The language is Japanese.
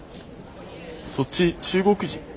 そっち中国人？